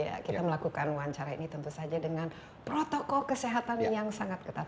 ya kita melakukan wawancara ini tentu saja dengan protokol kesehatan yang sangat ketat